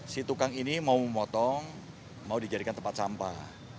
si tukang ini mau motong mau dijadikan tempat sampah